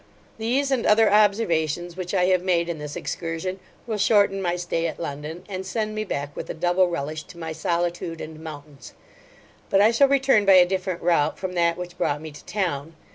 These, and other observations, which I have made in this excursion, will shorten my stay at London, and send me back with a double relish to my solitude and mountains; but I shall return by a different route from that which brought me to town.